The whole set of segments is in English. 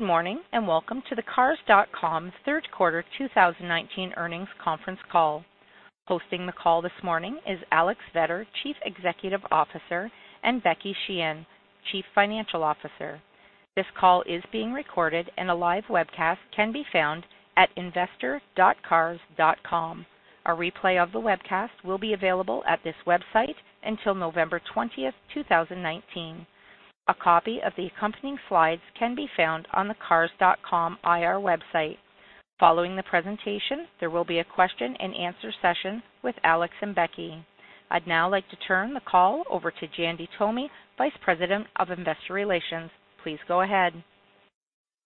Good morning, welcome to the Cars.com third quarter 2019 earnings conference call. Hosting the call this morning is Alex Vetter, Chief Executive Officer, and Becky Sheehan, Chief Financial Officer. This call is being recorded and a live webcast can be found at investor.cars.com. A replay of the webcast will be available at this website until November 20th, 2019. A copy of the accompanying slides can be found on the Cars.com IR website. Following the presentation, there will be a question and answer session with Alex and Becky. I'd now like to turn the call over to Jandy Tomy, Vice President of Investor Relations. Please go ahead.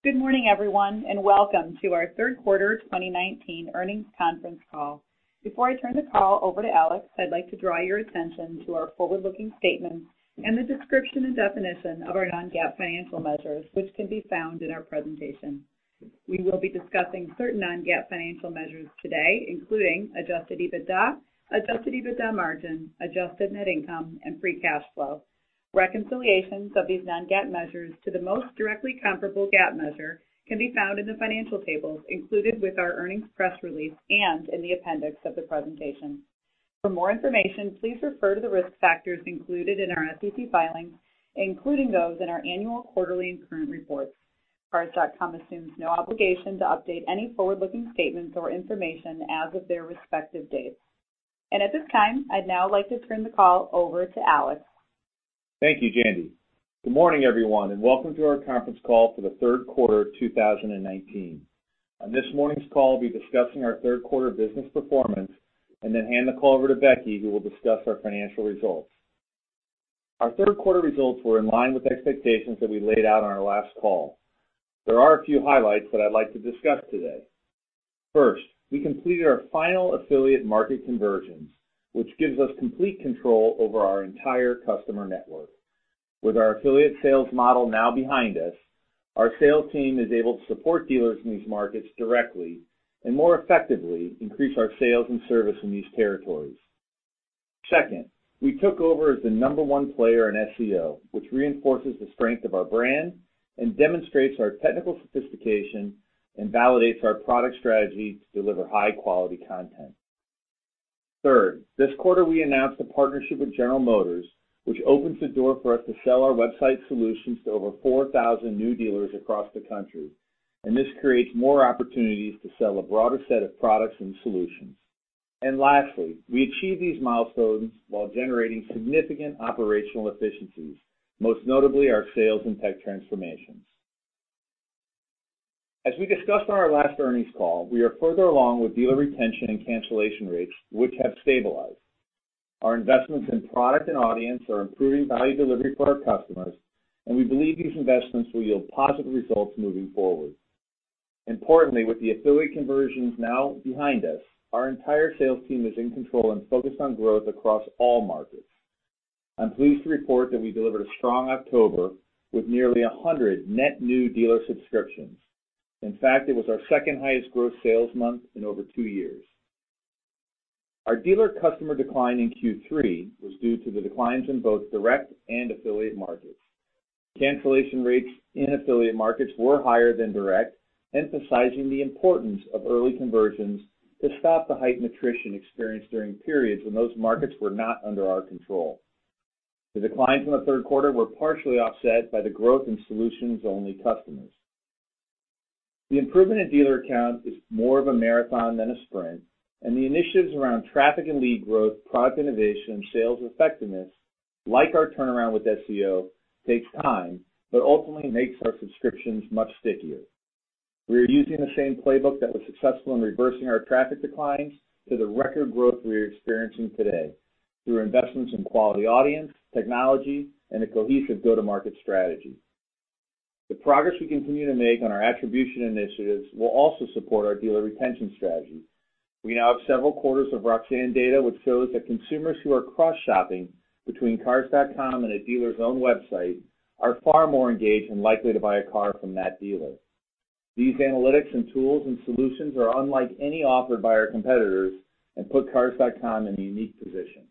Good morning everyone, welcome to our third quarter 2019 earnings conference call. Before I turn the call over to Alex, I'd like to draw your attention to our forward-looking statement and the description and definition of our non-GAAP financial measures, which can be found in our presentation. We will be discussing certain non-GAAP financial measures today, including adjusted EBITDA, adjusted EBITDA margin, adjusted net income and free cash flow. Reconciliations of these non-GAAP measures to the most directly comparable GAAP measure can be found in the financial tables included with our earnings press release and in the appendix of the presentation. For more information, please refer to the risk factors included in our SEC filings, including those in our annual quarterly and current reports. Cars.com assumes no obligation to update any forward-looking statements or information as of their respective dates. At this time, I'd now like to turn the call over to Alex. Thank you, Jandy. Good morning, everyone, and welcome to our conference call for the third quarter of 2019. On this morning's call, we'll be discussing our third quarter business performance and then hand the call over to Becky, who will discuss our financial results. Our third quarter results were in line with expectations that we laid out on our last call. There are a few highlights that I'd like to discuss today. First, we completed our final affiliate market conversions, which gives us complete control over our entire customer network. With our affiliate sales model now behind us, our sales team is able to support dealers in these markets directly and more effectively increase our sales and service in these territories. Second, we took over as the number one player in SEO, which reinforces the strength of our brand and demonstrates our technical sophistication and validates our product strategy to deliver high-quality content. Third, this quarter we announced a partnership with General Motors, which opens the door for us to sell our website solutions to over 4,000 new dealers across the country. This creates more opportunities to sell a broader set of products and solutions. Lastly, we achieve these milestones while generating significant operational efficiencies, most notably our sales and tech transformations. As we discussed on our last earnings call, we are further along with dealer retention and cancellation rates, which have stabilized. Our investments in product and audience are improving value delivery for our customers, and we believe these investments will yield positive results moving forward. Importantly, with the affiliate conversions now behind us, our entire sales team is in control and focused on growth across all markets. I'm pleased to report that we delivered a strong October with nearly 100 net new dealer subscriptions. In fact, it was our second highest gross sales month in over two years. Our dealer customer decline in Q3 was due to the declines in both direct and affiliate markets. Cancellation rates in affiliate markets were higher than direct, emphasizing the importance of early conversions to stop the heightened attrition experienced during periods when those markets were not under our control. The declines in the third quarter were partially offset by the growth in solutions only customers. The improvement in dealer count is more of a marathon than a sprint, and the initiatives around traffic and lead growth, product innovation, and sales effectiveness, like our turnaround with SEO, takes time, but ultimately makes our subscriptions much stickier. We are using the same playbook that was successful in reversing our traffic declines to the record growth we are experiencing today through investments in quality audience, technology, and a cohesive go-to-market strategy. The progress we continue to make on our attribution initiatives will also support our dealer retention strategy. We now have several quarters of Roxanne™ data, which shows that consumers who are cross-shopping between Cars.com and a dealer's own website are far more engaged and likely to buy a car from that dealer. These analytics and tools and solutions are unlike any offered by our competitors and put Cars.com in a unique position.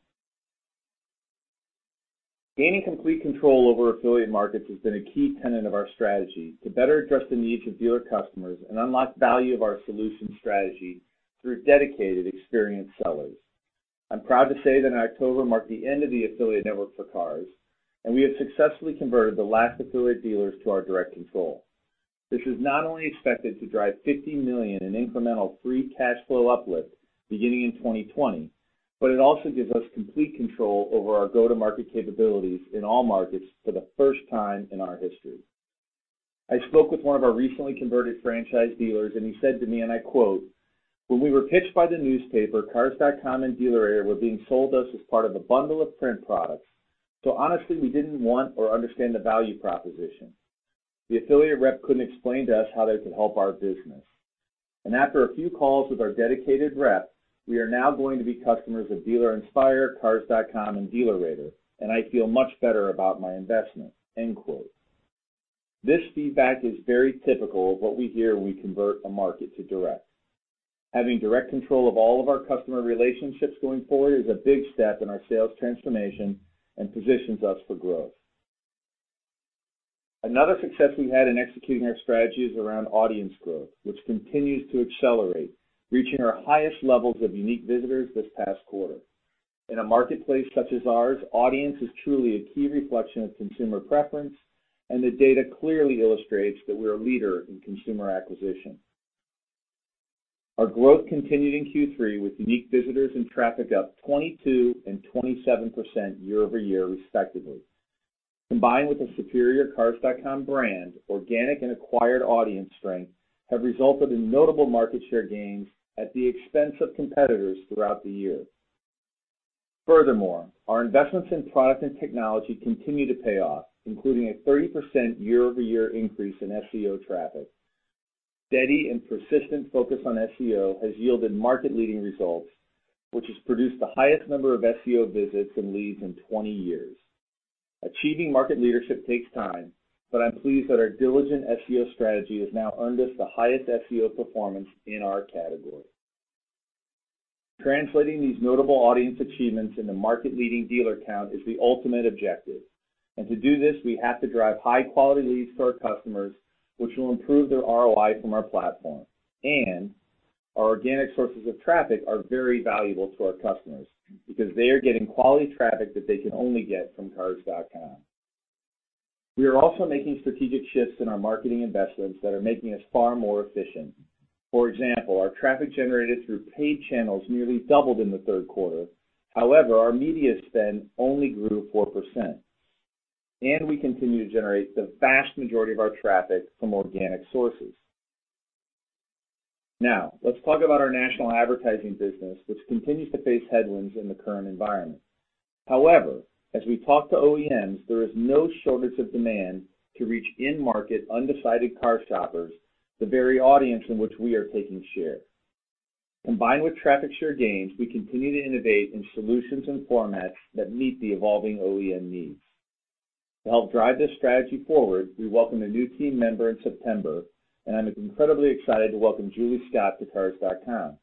Gaining complete control over affiliate markets has been a key tenet of our strategy to better address the needs of dealer customers and unlock value of our solutions strategy through dedicated, experienced sellers. I'm proud to say that in October marked the end of the affiliate network for Cars.com, and we have successfully converted the last affiliate dealers to our direct control. This is not only expected to drive $50 million in incremental free cash flow uplift beginning in 2020, but it also gives us complete control over our go-to-market capabilities in all markets for the first time in our history. I spoke with one of our recently converted franchise dealers, and he said to me, and I quote, "When we were pitched by the newspaper, Cars.com and DealerRater were being sold to us as part of a bundle of print products. Honestly, we didn't want or understand the value proposition. The affiliate rep couldn't explain to us how they could help our business. After a few calls with our dedicated rep, we are now going to be customers of Dealer Inspire, Cars.com and DealerRater, and I feel much better about my investment." End quote. This feedback is very typical of what we hear when we convert a market to direct. Having direct control of all of our customer relationships going forward is a big step in our sales transformation and positions us for growth. Another success we had in executing our strategy is around audience growth, which continues to accelerate, reaching our highest levels of unique visitors this past quarter. In a marketplace such as ours, audience is truly a key reflection of consumer preference, and the data clearly illustrates that we're a leader in consumer acquisition. Our growth continued in Q3 with unique visitors and traffic up 22% and 27% year-over-year, respectively. Combined with the superior Cars.com brand, organic and acquired audience strength have resulted in notable market share gains at the expense of competitors throughout the year. Furthermore, our investments in product and technology continue to pay off, including a 30% year-over-year increase in SEO traffic. Steady and persistent focus on SEO has yielded market-leading results, which has produced the highest number of SEO visits and leads in 20 years. Achieving market leadership takes time, but I'm pleased that our diligent SEO strategy has now earned us the highest SEO performance in our category. Translating these notable audience achievements in the market-leading dealer count is the ultimate objective, and to do this, we have to drive high-quality leads to our customers, which will improve their ROI from our platform, and our organic sources of traffic are very valuable to our customers because they are getting quality traffic that they can only get from Cars.com. We are also making strategic shifts in our marketing investments that are making us far more efficient. For example, our traffic generated through paid channels nearly doubled in the third quarter. However, our media spend only grew 4%, and we continue to generate the vast majority of our traffic from organic sources. Let's talk about our national advertising business, which continues to face headwinds in the current environment. However, as we talk to OEMs, there is no shortage of demand to reach in-market undecided car shoppers, the very audience in which we are taking share. Combined with traffic share gains, we continue to innovate in solutions and formats that meet the evolving OEM needs. To help drive this strategy forward, we welcome a new team member in September, and I'm incredibly excited to welcome Julie Scott to Cars.com.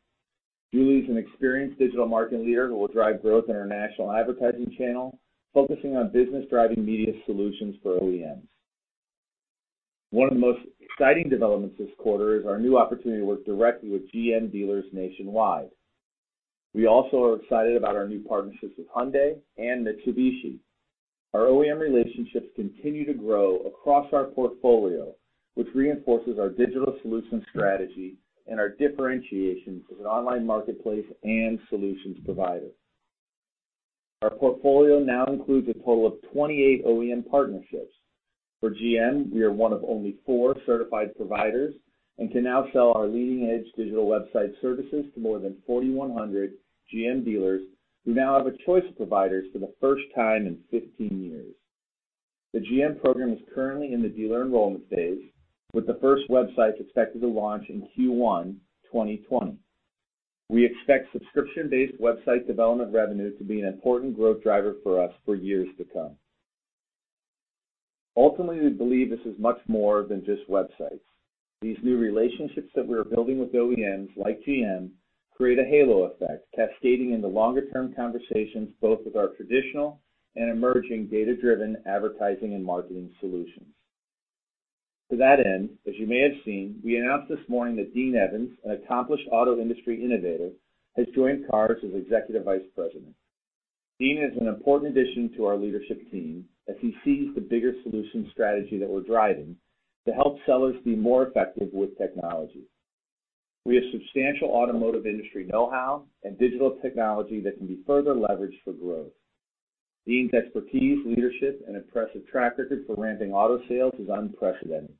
Julie is an experienced digital marketing leader who will drive growth in our national advertising channel, focusing on business-driving media solutions for OEMs. One of the most exciting developments this quarter is our new opportunity to work directly with GM dealers nationwide. We also are excited about our new partnerships with Hyundai and Mitsubishi. Our OEM relationships continue to grow across our portfolio, which reinforces our digital solution strategy and our differentiation as an online marketplace and solutions provider. Our portfolio now includes a total of 28 OEM partnerships. For GM, we are one of only four certified providers and can now sell our leading-edge digital website services to more than 4,100 GM dealers who now have a choice of providers for the first time in 15 years. The GM program is currently in the dealer enrollment phase, with the first websites expected to launch in Q1 2020. We expect subscription-based website development revenue to be an important growth driver for us for years to come. Ultimately, we believe this is much more than just websites. These new relationships that we're building with OEMs like GM create a halo effect, cascading into longer-term conversations, both with our traditional and emerging data-driven advertising and marketing solutions. To that end, as you may have seen, we announced this morning that Dean Evans, an accomplished auto industry innovator, has joined Cars as Executive Vice President. Dean is an important addition to our leadership team as he sees the bigger solution strategy that we're driving to help sellers be more effective with technology. We have substantial automotive industry know-how and digital technology that can be further leveraged for growth. Dean's expertise, leadership, and impressive track record for ramping auto sales is unprecedented.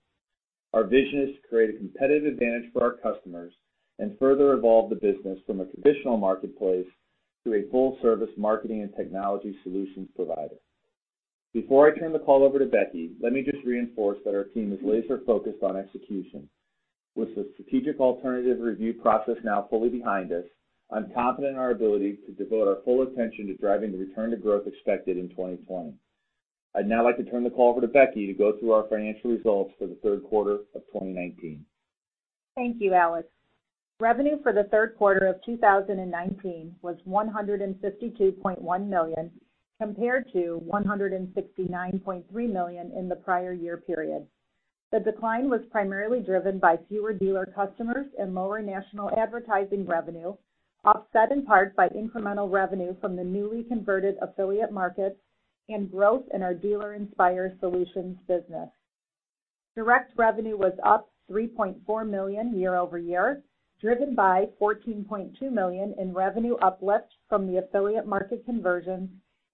Our vision is to create a competitive advantage for our customers and further evolve the business from a traditional marketplace to a full-service marketing and technology solutions provider. Before I turn the call over to Becky, let me just reinforce that our team is laser-focused on execution. With the strategic alternative review process now fully behind us, I'm confident in our ability to devote our full attention to driving the return to growth expected in 2020. I'd now like to turn the call over to Becky to go through our financial results for the third quarter of 2019. Thank you, Alex. Revenue for the third quarter of 2019 was $152.1 million, compared to $169.3 million in the prior year period. The decline was primarily driven by fewer dealer customers and lower national advertising revenue, offset in part by incremental revenue from the newly converted affiliate markets and growth in our Dealer Inspire Solutions business. Direct revenue was up $3.4 million year-over-year, driven by $14.2 million in revenue uplift from the affiliate market conversions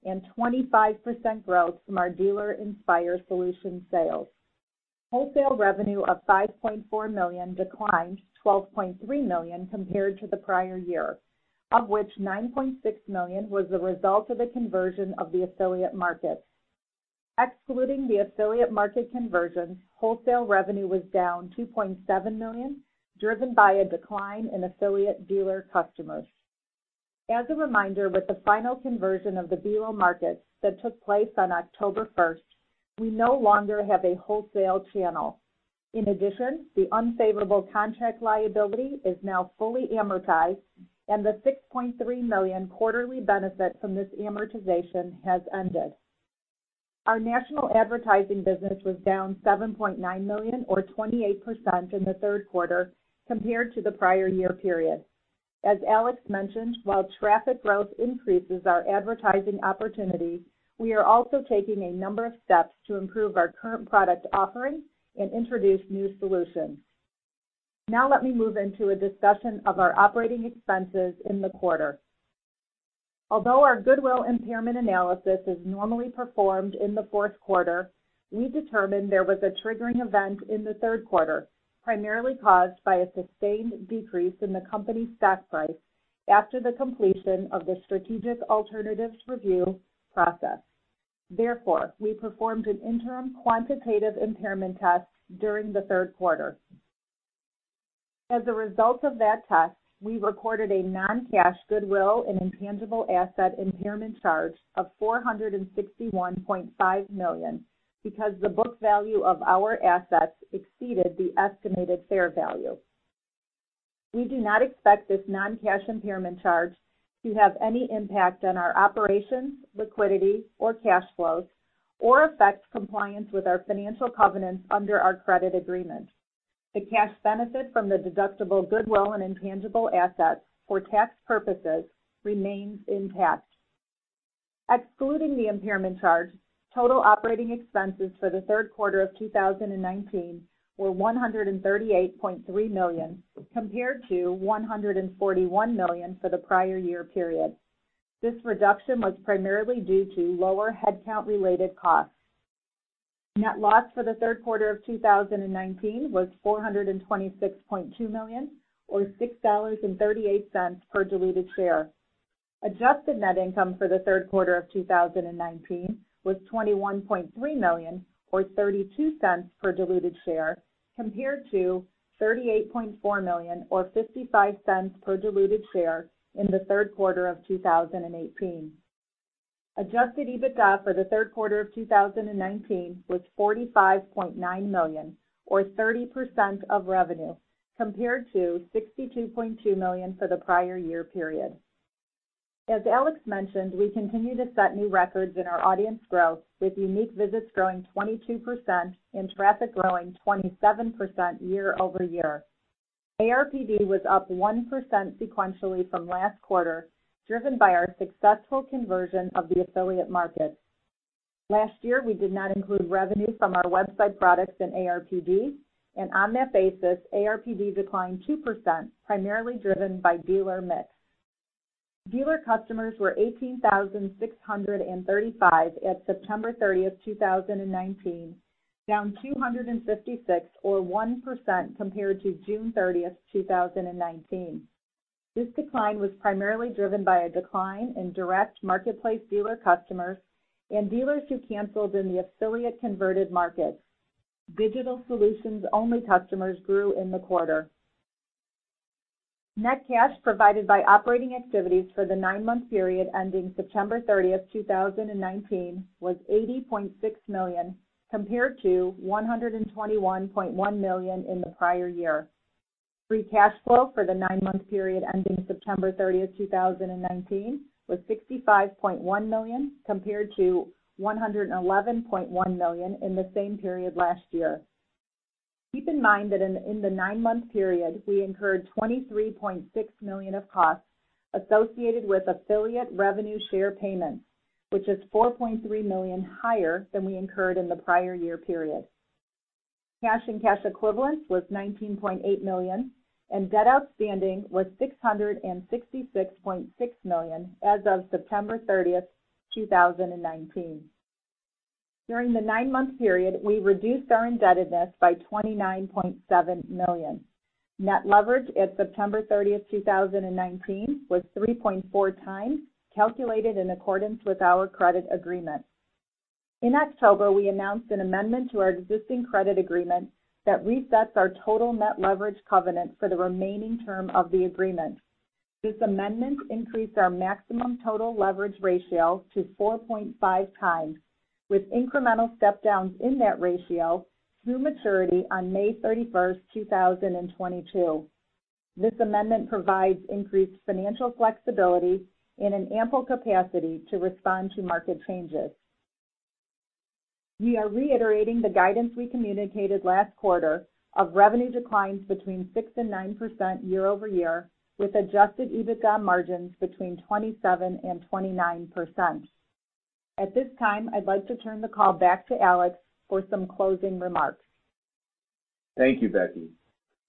and 25% growth from our Dealer Inspire Solutions sales. Wholesale revenue of $5.4 million declined $12.3 million compared to the prior year, of which $9.6 million was the result of the conversion of the affiliate markets. Excluding the affiliate market conversions, wholesale revenue was down $2.7 million, driven by a decline in affiliate dealer customers. As a reminder, with the final conversion of the [Beetle] markets that took place on October 1st, we no longer have a wholesale channel. In addition, the unfavorable contract liability is now fully amortized, and the $6.3 million quarterly benefit from this amortization has ended. Our national advertising business was down $7.9 million or 28% in the third quarter compared to the prior year period. As Alex mentioned, while traffic growth increases our advertising opportunity, we are also taking a number of steps to improve our current product offering and introduce new solutions. Now let me move into a discussion of our operating expenses in the quarter. Although our goodwill impairment analysis is normally performed in the fourth quarter, we determined there was a triggering event in the third quarter, primarily caused by a sustained decrease in the company's stock price after the completion of the strategic alternatives review process. Therefore, we performed an interim quantitative impairment test during the third quarter. As a result of that test, we recorded a non-cash goodwill and intangible asset impairment charge of $461.5 million because the book value of our assets exceeded the estimated fair value. We do not expect this non-cash impairment charge to have any impact on our operations, liquidity, or cash flows, or affect compliance with our financial covenants under our credit agreement. The cash benefit from the deductible goodwill and intangible assets for tax purposes remains intact. Excluding the impairment charge, total operating expenses for the third quarter of 2019 were $138.3 million compared to $141 million for the prior year period. This reduction was primarily due to lower headcount related costs. Net loss for the third quarter of 2019 was $426.2 million or $6.38 per diluted share. Adjusted net income for the third quarter of 2019 was $21.3 million or $0.32 per diluted share, compared to $38.4 million or $0.55 per diluted share in the third quarter of 2018. Adjusted EBITDA for the third quarter of 2019 was $45.9 million or 30% of revenue, compared to $62.2 million for the prior year period. As Alex mentioned, we continue to set new records in our audience growth, with unique visits growing 22% and traffic growing 27% year-over-year. ARPD was up 1% sequentially from last quarter, driven by our successful conversion of the affiliate market. Last year, we did not include revenue from our website products in ARPD, and on that basis, ARPD declined 2%, primarily driven by dealer mix. Dealer customers were 18,635 at September 30th, 2019, down 256 or 1% compared to June 30th, 2019. This decline was primarily driven by a decline in direct marketplace dealer customers and dealers who canceled in the affiliate converted markets. Digital solutions only customers grew in the quarter. Net cash provided by operating activities for the nine-month period ending September 30th, 2019 was $80.6 million, compared to $121.1 million in the prior year. Free cash flow for the nine-month period ending September 30th, 2019 was $65.1 million, compared to $111.1 million in the same period last year. Keep in mind that in the nine-month period, we incurred $23.6 million of costs associated with affiliate revenue share payments, which is $4.3 million higher than we incurred in the prior year period. Cash and cash equivalents was $19.8 million, and debt outstanding was $666.6 million as of September 30, 2019. During the nine-month period, we reduced our indebtedness by $29.7 million. Net leverage at September 30, 2019 was 3.4 times, calculated in accordance with our credit agreement. In October, we announced an amendment to our existing credit agreement that resets our total net leverage covenant for the remaining term of the agreement. This amendment increased our maximum total leverage ratio to 4.5 times, with incremental step downs in that ratio through maturity on May 31, 2022. This amendment provides increased financial flexibility and an ample capacity to respond to market changes. We are reiterating the guidance we communicated last quarter of revenue declines between 6% and 9% year-over-year, with adjusted EBITDA margins between 27% and 29%. At this time, I'd like to turn the call back to Alex for some closing remarks. Thank you, Becky.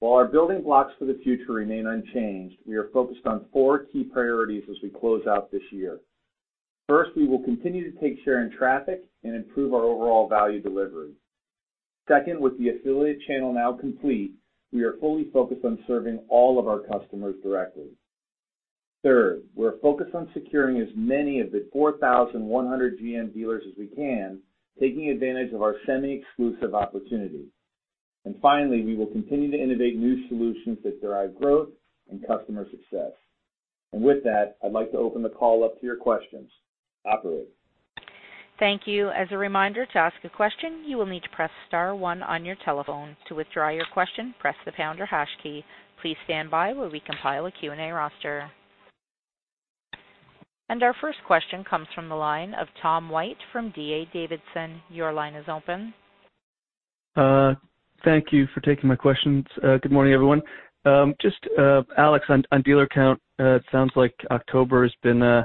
While our building blocks for the future remain unchanged, we are focused on four key priorities as we close out this year. First, we will continue to take share in traffic and improve our overall value delivery. Second, with the affiliate channel now complete, we are fully focused on serving all of our customers directly. Third, we're focused on securing as many of the 4,100 GM dealers as we can, taking advantage of our semi-exclusive opportunity. Finally, we will continue to innovate new solutions that derive growth and customer success. With that, I'd like to open the call up to your questions. Operator? Thank you. As a reminder, to ask a question, you will need to press star one on your telephone. To withdraw your question, press the pound or hash key. Please stand by while we compile a Q&A roster. Our first question comes from the line of Tom White from D.A. Davidson. Your line is open. Thank you for taking my questions. Good morning, everyone. Just, Alex, on dealer count, it sounds like October has been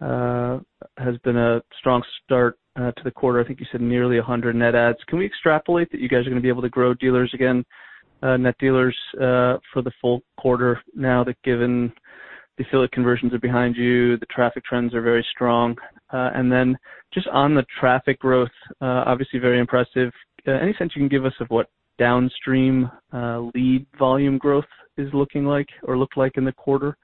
a strong start to the quarter. I think you said nearly 100 net adds. Can we extrapolate that you guys are going to be able to grow dealers again, net dealers for the full quarter now that given the affiliate conversions are behind you, the traffic trends are very strong? Then just on the traffic growth, obviously very impressive. Any sense you can give us of what downstream lead volume growth is looking like or looked like in the quarter?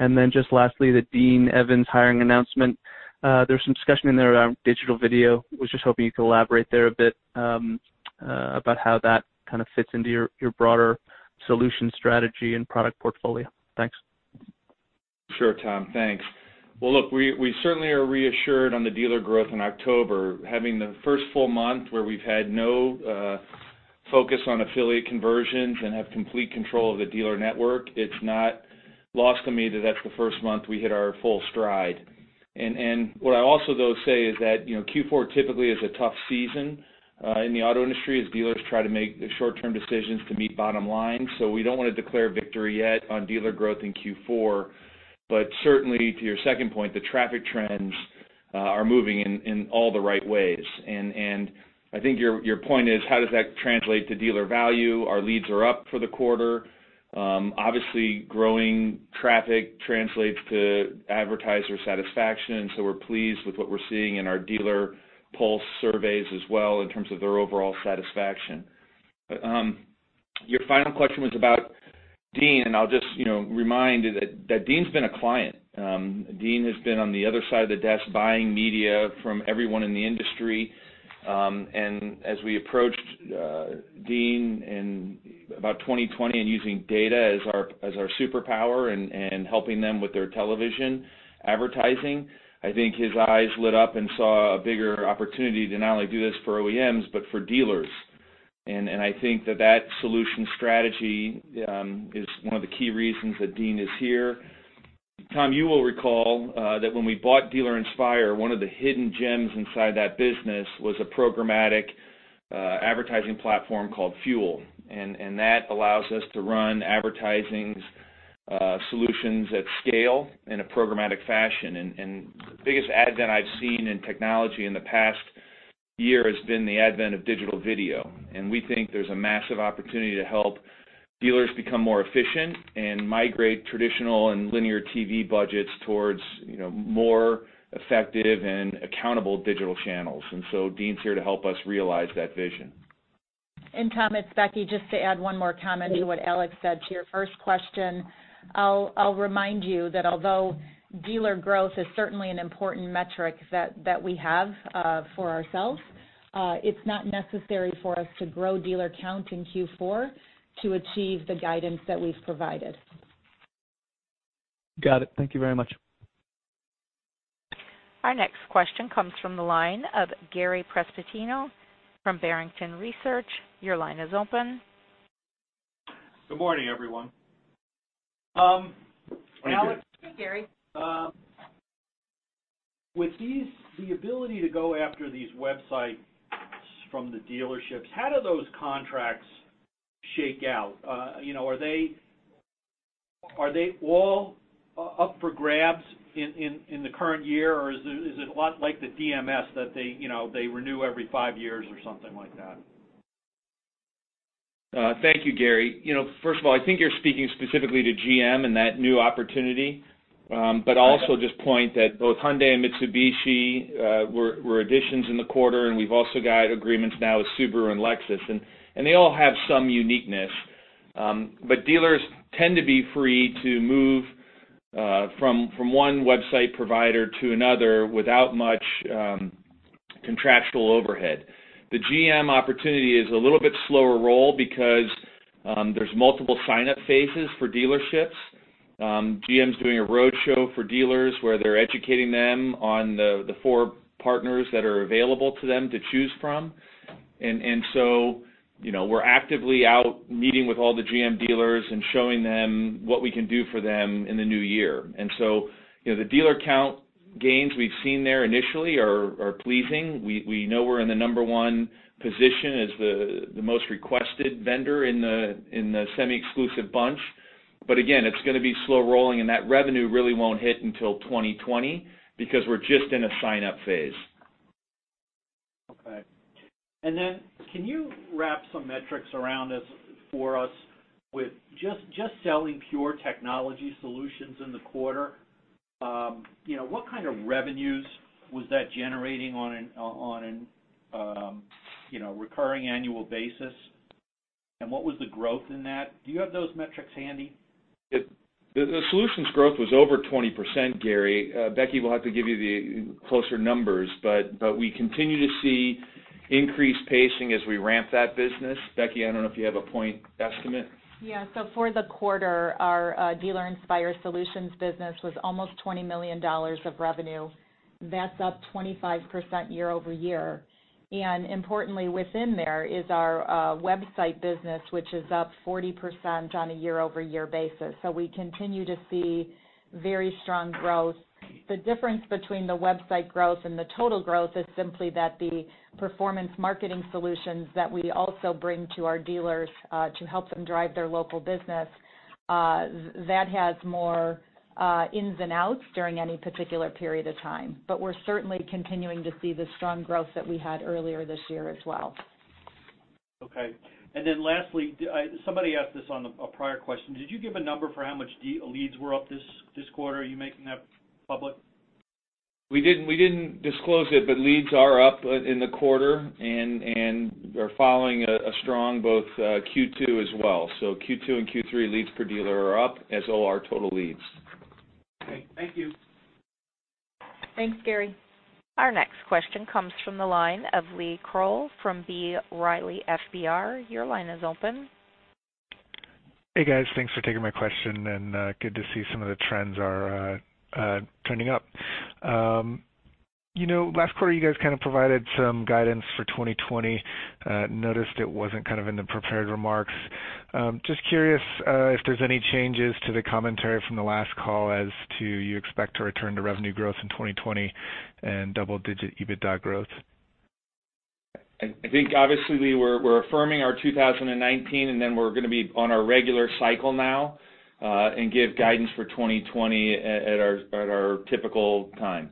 Then just lastly, the Dean Evans hiring announcement. There's some discussion in there around digital video. I was just hoping you could elaborate there a bit about how that kind of fits into your broader solution strategy and product portfolio. Thanks. Sure, Tom. Thanks. Well, look, we certainly are reassured on the dealer growth in October. Having the first full month where we've had no focus on affiliate conversions and have complete control of the dealer network, it's not lost on me that that's the first month we hit our full stride. What I also though say is that Q4 typically is a tough season in the auto industry as dealers try to make the short-term decisions to meet bottom line. We don't want to declare victory yet on dealer growth in Q4. Certainly to your second point, the traffic trends are moving in all the right ways. I think your point is how does that translate to dealer value? Our leads are up for the quarter. Obviously, growing traffic translates to advertiser satisfaction. We're pleased with what we're seeing in our dealer pulse surveys as well in terms of their overall satisfaction. Your final question was about Dean, and I'll just remind that Dean's been a client. Dean has been on the other side of the desk buying media from everyone in the industry. As we approached Dean in about 2020 and using data as our superpower and helping them with their television advertising, I think his eyes lit up and saw a bigger opportunity to not only do this for OEMs, but for dealers. I think that that solution strategy is one of the key reasons that Dean is here. Tom, you will recall that when we bought Dealer Inspire, one of the hidden gems inside that business was a programmatic advertising platform called FUEL. That allows us to run advertising solutions at scale in a programmatic fashion. The biggest advent I've seen in technology in the past year has been the advent of digital video. We think there's a massive opportunity to help dealers become more efficient and migrate traditional and linear TV budgets towards more effective and accountable digital channels. Dean's here to help us realize that vision. Tom, it's Becky. Just to add one more comment to what Alex said to your first question. I'll remind you that although dealer growth is certainly an important metric that we have for ourselves, it's not necessary for us to grow dealer count in Q4 to achieve the guidance that we've provided. Got it. Thank you very much. Our next question comes from the line of Gary Prestopino from Barrington Research. Your line is open. Good morning, everyone. Hi, Gary. Hey, Gary. With the ability to go after these websites from the dealerships, how do those contracts shake out? Are they all up for grabs in the current year, or is it a lot like the DMS that they renew every five years or something like that? Thank you, Gary. I think you're speaking specifically to GM and that new opportunity. I'll also just point that both Hyundai and Mitsubishi were additions in the quarter, and we've also got agreements now with Subaru and Lexus. They all have some uniqueness. Dealers tend to be free to move from one website provider to another without much contractual overhead. The GM opportunity is a little bit slower roll because there's multiple sign-up phases for dealerships. GM's doing a roadshow for dealers where they're educating them on the four partners that are available to them to choose from. We're actively out meeting with all the GM dealers and showing them what we can do for them in the new year. The dealer count gains we've seen there initially are pleasing. We know we're in the number one position as the most requested vendor in the semi-exclusive bunch. Again, it's going to be slow rolling, and that revenue really won't hit until 2020 because we're just in a sign-up phase. Okay. Then can you wrap some metrics around this for us with just selling pure technology solutions in the quarter? What kind of revenues was that generating on a recurring annual basis, and what was the growth in that? Do you have those metrics handy? The solutions growth was over 20%, Gary. Becky will have to give you the closer numbers, but we continue to see increased pacing as we ramp that business. Becky, I don't know if you have a point estimate. For the quarter, our Dealer Inspire Solutions business was almost $20 million of revenue. That's up 25% year-over-year. Importantly, within there is our website business, which is up 40% on a year-over-year basis. We continue to see very strong growth. The difference between the website growth and the total growth is simply that the performance marketing solutions that we also bring to our dealers to help them drive their local business, that has more ins and outs during any particular period of time. We're certainly continuing to see the strong growth that we had earlier this year as well. Okay. Lastly, somebody asked this on a prior question. Did you give a number for how much leads were up this quarter? Are you making that public? We didn't disclose it, but leads are up in the quarter, and they're following a strong both Q2 as well. Q2 and Q3 leads per dealer are up, as all our total leads. Okay. Thank you. Thanks, Gary. Our next question comes from the line of Lee Krowl from B. Riley FBR. Your line is open. Hey, guys. Thanks for taking my question. Good to see some of the trends are turning up. Last quarter, you guys provided some guidance for 2020. Noticed it wasn't in the prepared remarks. Just curious if there's any changes to the commentary from the last call as to you expect to return to revenue growth in 2020 and double-digit EBITDA growth? I think obviously we're affirming our 2019, and then we're going to be on our regular cycle now, and give guidance for 2020 at our typical time.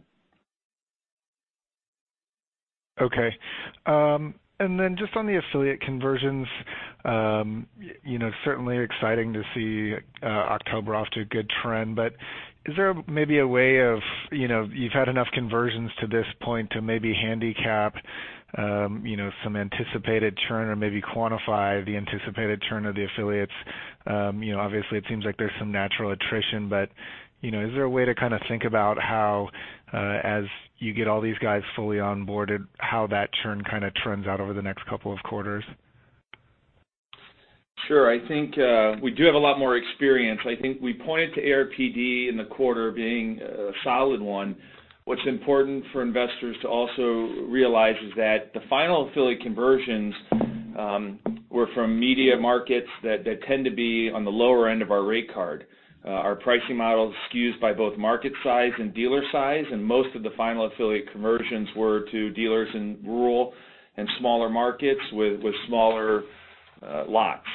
Okay. Just on the affiliate conversions, certainly exciting to see October off to a good trend, but is there maybe a way of, you've had enough conversions to this point to maybe handicap some anticipated churn or maybe quantify the anticipated churn of the affiliates? Obviously, it seems like there's some natural attrition. Is there a way to think about how, as you get all these guys fully onboarded, how that churn trends out over the next couple of quarters? Sure. I think we do have a lot more experience. I think we pointed to ARPD in the quarter being a solid one. What's important for investors to also realize is that the final affiliate conversions were from media markets that tend to be on the lower end of our rate card. Our pricing model is skewed by both market size and dealer size, and most of the final affiliate conversions were to dealers in rural and smaller markets with smaller lots.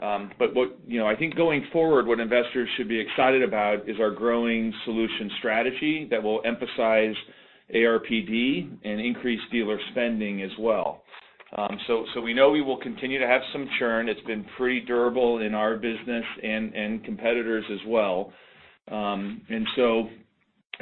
I think going forward, what investors should be excited is our growing solution strategy that will emphasize ARPD and increase dealer spending as well. We know we will continue to have some churn. It's been pretty durable in our business and competitors as well.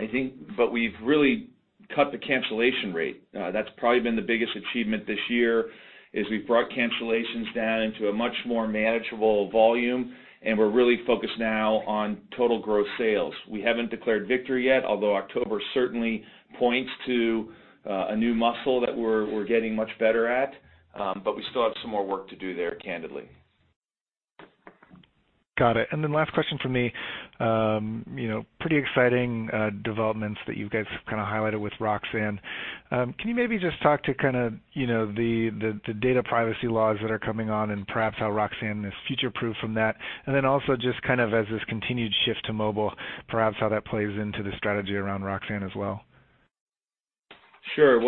We've really cut the cancellation rate. That's probably been the biggest achievement this year, is we've brought cancellations down into a much more manageable volume, and we're really focused now on total gross sales. We haven't declared victory yet, although October certainly points to a new muscle that we're getting much better at. We still have some more work to do there, candidly. Got it. Last question from me. Pretty exciting developments that you guys have highlighted with Roxanne™. Can you maybe just talk to the data privacy laws that are coming on and perhaps how Roxanne™ is future-proof from that? Also just as this continued shift to mobile, perhaps how that plays into the strategy around Roxanne™ as well? Sure.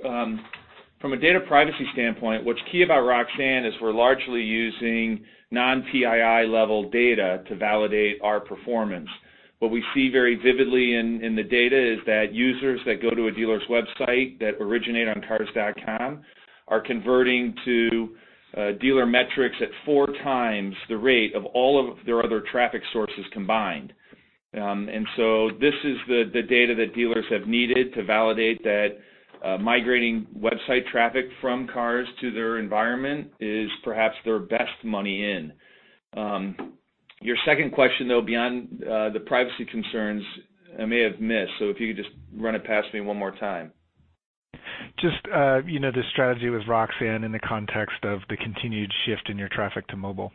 From a data privacy standpoint, what's key about Roxanne is we're largely using non-PII level data to validate our performance. What we see very vividly in the data is that users that go to a dealer's website that originate on Cars.com are converting to dealer metrics at four times the rate of all of their other traffic sources combined. This is the data that dealers have needed to validate that migrating website traffic from Cars.com to their environment is perhaps their best money in. Your second question, though, beyond the privacy concerns, I may have missed. If you could just run it past me one more time. Just the strategy with Roxanne in the context of the continued shift in your traffic to mobile.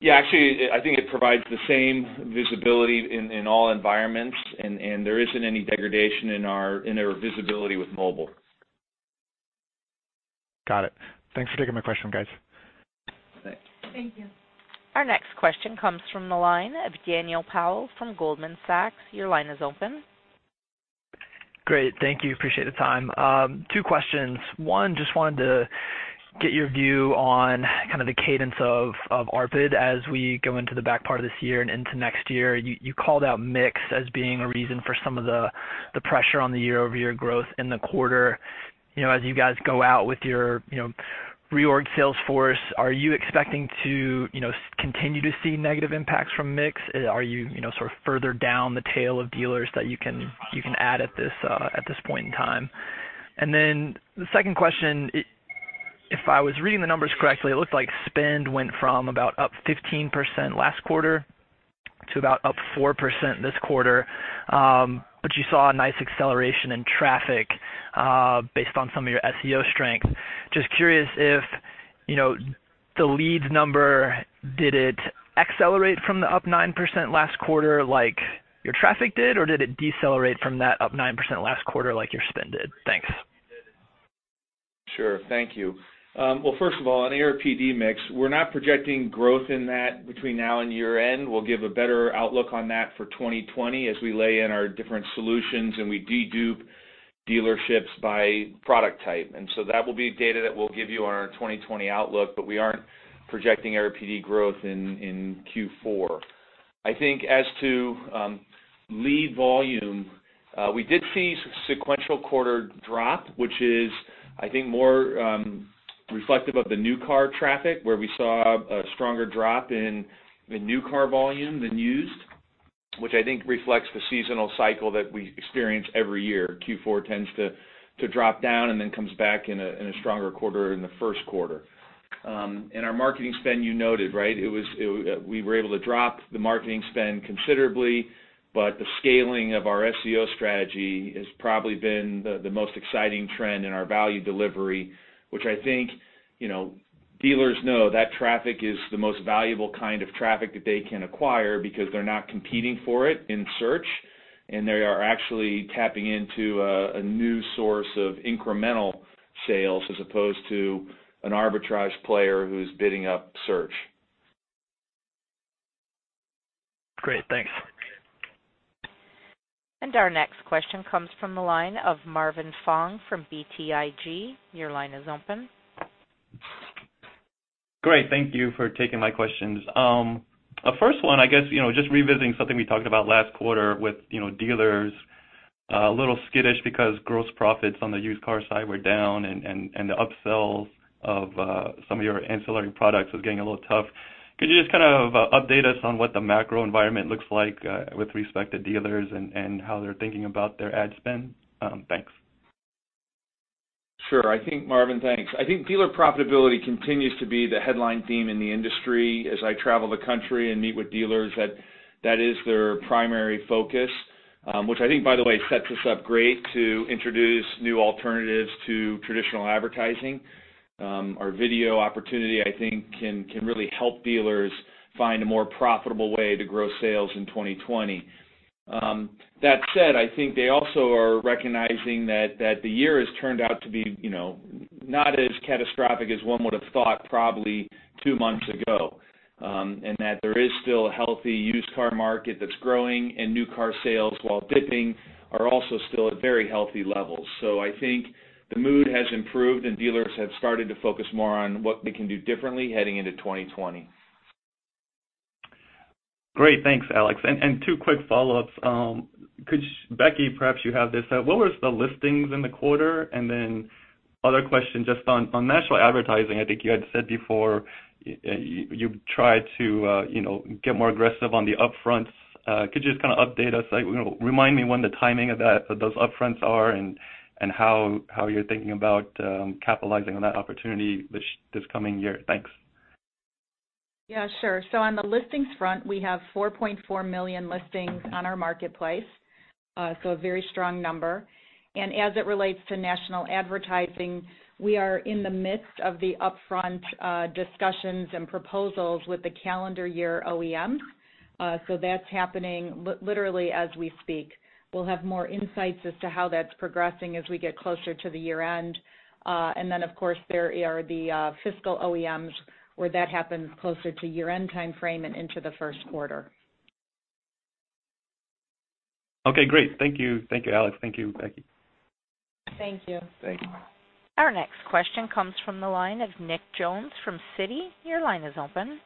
Yeah, actually, I think it provides the same visibility in all environments, and there isn't any degradation in our visibility with mobile. Got it. Thanks for taking my question, guys. Thank you. Our next question comes from the line of Daniel Powell from Goldman Sachs. Your line is open. Great. Thank you. Appreciate the time. Two questions. One, just wanted to get your view on the cadence of ARPD as we go into the back part of this year and into next year. You called out mix as being a reason for some of the pressure on the year-over-year growth in the quarter. As you guys go out with your reorg sales force, are you expecting to continue to see negative impacts from mix? Are you further down the tail of dealers that you can add at this point in time? The second question, if I was reading the numbers correctly, it looked like spend went from about up 15% last quarter to about up 4% this quarter. You saw a nice acceleration in traffic based on some of your SEO strength. Just curious if the leads number, did it accelerate from the up 9% last quarter like your traffic did, or did it decelerate from that up 9% last quarter like your spend did? Thanks. Sure. Thank you. First of all, on ARPD mix, we're not projecting growth in that between now and year-end. We'll give a better outlook on that for 2020 as we lay in our different solutions and we de-dupe dealerships by product type. That will be data that we'll give you on our 2020 outlook, we aren't projecting ARPD growth in Q4. I think as to lead volume, we did see sequential quarter drop, which is, I think, more reflective of the new car traffic, where we saw a stronger drop in the new car volume than used, which I think reflects the seasonal cycle that we experience every year. Q4 tends to drop down comes back in a stronger quarter in the first quarter. Our marketing spend, you noted, right? We were able to drop the marketing spend considerably, but the scaling of our SEO strategy has probably been the most exciting trend in our value delivery, which I think dealers know that traffic is the most valuable kind of traffic that they can acquire because they're not competing for it in search, and they are actually tapping into a new source of incremental sales as opposed to an arbitrage player who's bidding up search. Great. Thanks. Our next question comes from the line of Marvin Fong from BTIG. Your line is open. Great. Thank you for taking my questions. First one, I guess, just revisiting something we talked about last quarter with dealers a little skittish because gross profits on the used car side were down and the upsells of some of your ancillary products was getting a little tough. Could you just update us on what the macro environment looks like with respect to dealers and how they're thinking about their ad spend? Thanks. Sure. Marvin, thanks. I think dealer profitability continues to be the headline theme in the industry. As I travel the country and meet with dealers, that is their primary focus. Which I think, by the way, sets us up great to introduce new alternatives to traditional advertising. Our video opportunity, I think can really help dealers find a more profitable way to grow sales in 2020. That said, I think they also are recognizing that the year has turned out to be not as catastrophic as one would have thought probably two months ago. That there is still a healthy used car market that's growing, and new car sales, while dipping, are also still at very healthy levels. I think the mood has improved and dealers have started to focus more on what they can do differently heading into 2020. Great. Thanks, Alex. Two quick follow-ups. Becky, perhaps you have this. What was the listings in the quarter? Other question just on national advertising. I think you had said before you've tried to get more aggressive on the upfronts. Could you just update us, remind me when the timing of those upfronts are and how you're thinking about capitalizing on that opportunity this coming year. Thanks. Yeah, sure. On the listings front, we have 4.4 million listings on our marketplace. As it relates to national advertising, we are in the midst of the upfront discussions and proposals with the calendar year OEMs. That's happening literally as we speak. We'll have more insights as to how that's progressing as we get closer to the year-end. Then, of course, there are the fiscal OEMs, where that happens closer to year-end timeframe and into the first quarter. Okay, great. Thank you. Thank you, Alex. Thank you, Becky. Thank you. Thank you. Our next question comes from the line of Nick Jones from Citi. Your line is open.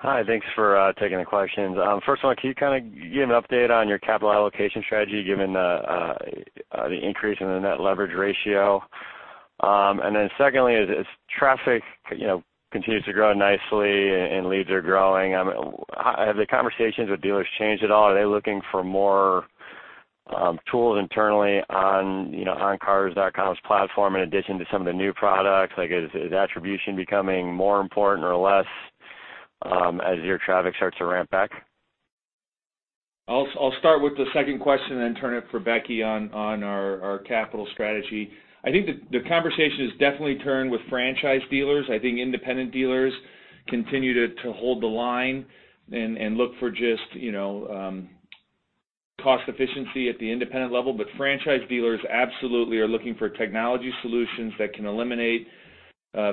Hi. Thanks for taking the questions. First one, can you give an update on your capital allocation strategy, given the increase in the net leverage ratio? Secondly, as traffic continues to grow nicely and leads are growing, have the conversations with dealers changed at all? Are they looking for more tools internally on cars.com's platform in addition to some of the new products? Is attribution becoming more important or less as your traffic starts to ramp back? I'll start with the second question and turn it for Becky on our capital strategy. I think the conversation has definitely turned with franchise dealers. I think independent dealers continue to hold the line and look for just cost efficiency at the independent level. Franchise dealers absolutely are looking for technology solutions that can eliminate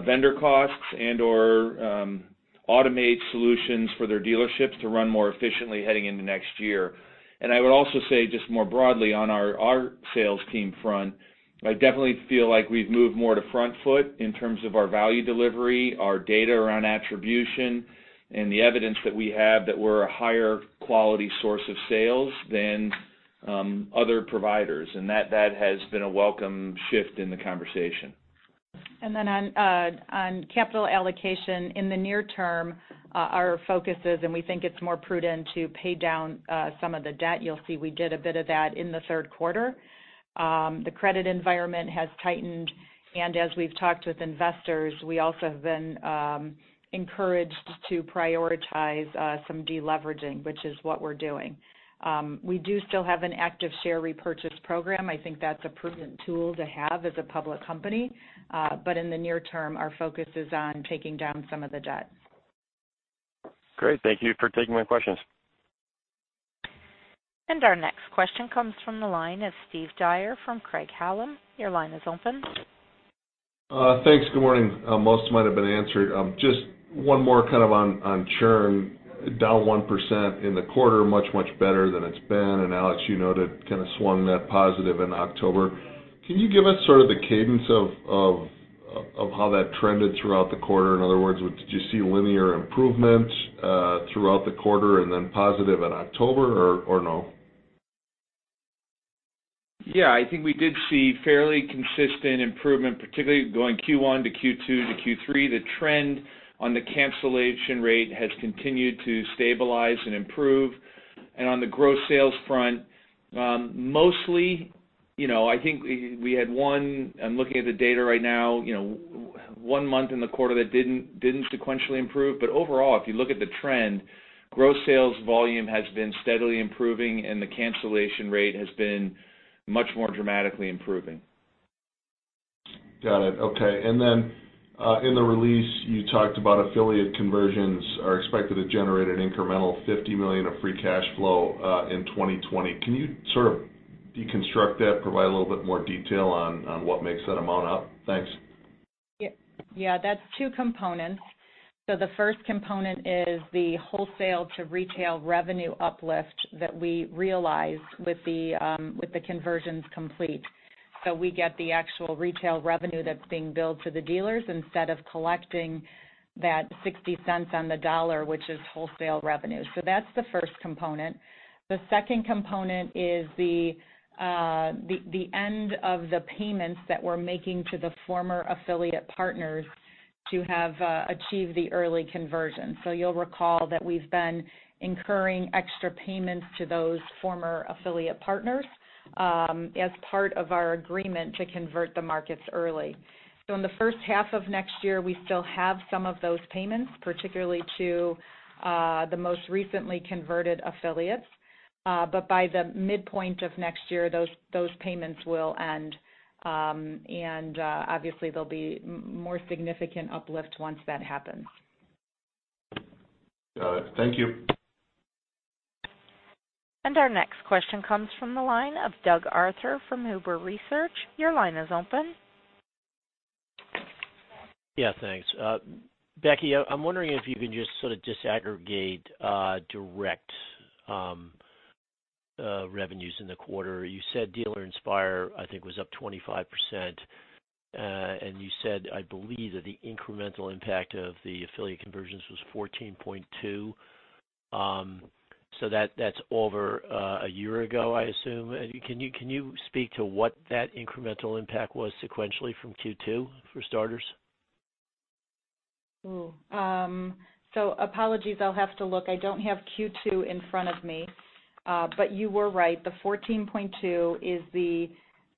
vendor costs and/or automate solutions for their dealerships to run more efficiently heading into next year. I would also say just more broadly on our sales team front, I definitely feel like we've moved more to front foot in terms of our value delivery, our data around attribution, and the evidence that we have that we're a higher quality source of sales than other providers. That has been a welcome shift in the conversation. On capital allocation in the near term, our focus is, and we think it's more prudent to pay down some of the debt. You'll see we did a bit of that in the third quarter. The credit environment has tightened, and as we've talked with investors, we also have been encouraged to prioritize some deleveraging, which is what we're doing. We do still have an active share repurchase program. I think that's a prudent tool to have as a public company. In the near term, our focus is on taking down some of the debt. Great. Thank you for taking my questions. Our next question comes from the line of Steve Dyer from Craig-Hallum. Your line is open. Thanks. Good morning. Most might have been answered. Just one more on churn, down 1% in the quarter, much, much better than it's been. Alex, you noted kind of swung that positive in October. Can you give us sort of the cadence of how that trended throughout the quarter? In other words, did you see linear improvements throughout the quarter and then positive in October, or no? Yeah, I think we did see fairly consistent improvement, particularly going Q1 to Q2 to Q3. The trend on the cancellation rate has continued to stabilize and improve. On the gross sales front, mostly, I think we had one, I'm looking at the data right now, one month in the quarter that didn't sequentially improve. Overall, if you look at the trend, gross sales volume has been steadily improving and the cancellation rate has been much more dramatically improving. Got it. Okay. In the release, you talked about affiliate conversions are expected to generate an incremental $50 million of free cash flow in 2020. Can you sort of deconstruct that, provide a little bit more detail on what makes that amount up? Thanks. Yeah. That's two components. The first component is the wholesale to retail revenue uplift that we realized with the conversions complete. We get the actual retail revenue that's being billed to the dealers instead of collecting that $0.60 on the dollar, which is wholesale revenue. That's the first component. The second component is the end of the payments that we're making to the former affiliate partners to have achieved the early conversion. You'll recall that we've been incurring extra payments to those former affiliate partners as part of our agreement to convert the markets early. In the first half of next year, we still have some of those payments, particularly to the most recently converted affiliates. By the midpoint of next year, those payments will end. Obviously, there'll be more significant uplift once that happens. Got it. Thank you. Our next question comes from the line of Doug Arthur from Huber Research. Your line is open. Yeah, thanks. Becky, I'm wondering if you can just sort of disaggregate direct revenues in the quarter. You said Dealer Inspire, I think, was up 25%. You said, I believe, that the incremental impact of the affiliate conversions was 14.2. That's over a year ago, I assume. Can you speak to what that incremental impact was sequentially from Q2, for starters? Apologies, I'll have to look. I don't have Q2 in front of me. You were right. The $14.2 is the,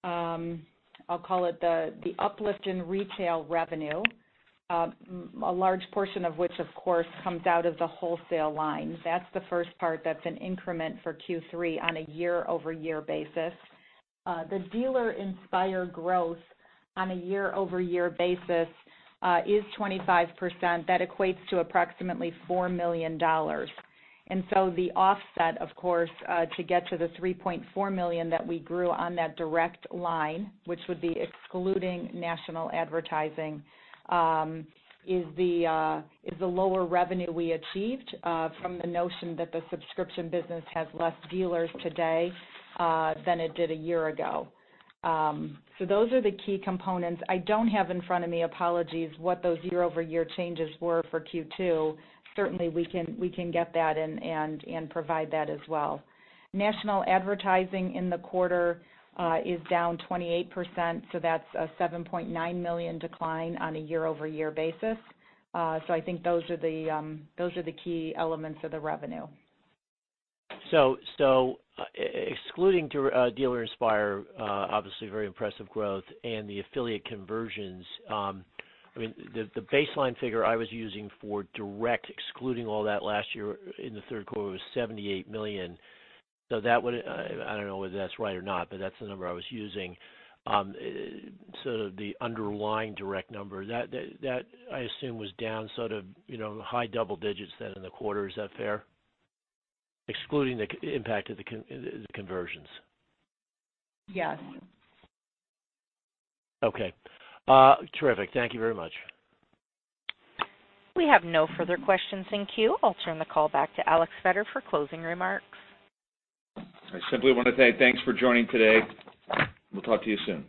I'll call it the uplift in retail revenue. A large portion of which, of course, comes out of the wholesale line. That's the first part that's an increment for Q3 on a year-over-year basis. The Dealer Inspire growth on a year-over-year basis is 25%. That equates to approximately $4 million. The offset, of course, to get to the $3.4 million that we grew on that direct line, which would be excluding national advertising, is the lower revenue we achieved from the notion that the subscription business has less dealers today than it did a year ago. Those are the key components. I don't have in front of me, apologies, what those year-over-year changes were for Q2. Certainly, we can get that and provide that as well. National advertising in the quarter is down 28%, that's a $7.9 million decline on a year-over-year basis. I think those are the key elements of the revenue. Excluding Dealer Inspire, obviously very impressive growth, and the affiliate conversions. The baseline figure I was using for direct, excluding all that last year in the third quarter, was $78 million. I don't know whether that's right or not, but that's the number I was using, sort of the underlying direct number. That I assume was down sort of high double digits then in the quarter. Is that fair, excluding the impact of the conversions? Yes. Okay. Terrific. Thank you very much. We have no further questions in queue. I'll turn the call back to Alex Vetter for closing remarks. I simply want to say thanks for joining today. We'll talk to you soon.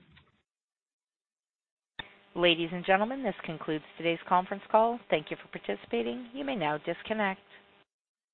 Ladies and gentlemen, this concludes today's conference call. Thank you for participating. You may now disconnect.